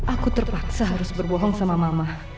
aku terpaksa harus berbohong sama mama